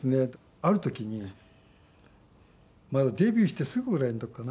ある時にまだデビューしてすぐぐらいの時かな。